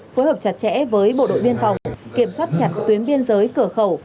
phối hợp chặt chẽ với bộ đội biên phòng kiểm soát chặt tuyến biên giới cửa khẩu